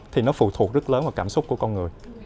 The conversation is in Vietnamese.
thì nó phụ thuộc rất lớn vào cảm xúc của con người